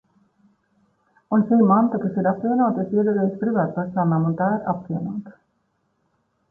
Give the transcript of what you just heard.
Un šī manta, kas ir apvienota, ir piederējusi privātpersonām, un tā ir apvienota.